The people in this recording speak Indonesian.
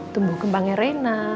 tumbuh kembangnya rina